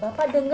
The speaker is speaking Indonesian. bapak denger gak